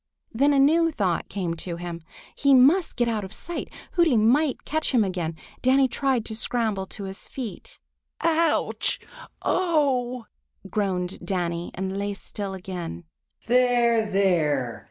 Then a new thought came to him. He must get out of sight! Hooty might catch him again! Danny tried to scramble to his feet. "Ooch! Oh!" groaned Danny and lay still again. "There, there.